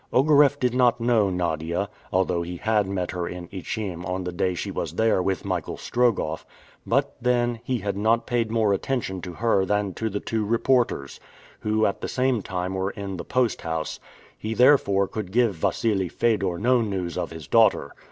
Ogareff did not know Nadia, although he had met her at Ichim on the day she was there with Michael Strogoff; but then, he had not paid more attention to her than to the two reporters, who at the same time were in the post house; he therefore could give Wassili Fedor no news of his daughter.